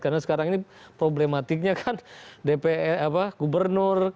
karena sekarang ini problematiknya kan dpe apa gubernur